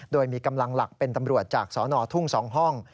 โดยมีกำลังหลักเป็นตำรวจจากสนทุ่ง๒ห้อง